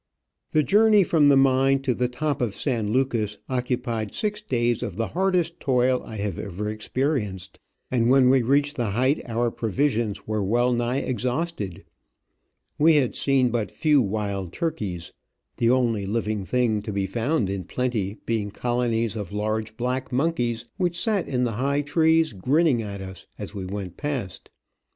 The journey from the mine to the top of San Lucas occupied six days of the hardest toil I have ever experienced, and when Ave reached the height our provisions were well nigh exhausted ; we had seen but few wild turkeys, the only living thing to be found in plenty being colonies of large black monkeys, which sat in the high trees grinning at us as we went past.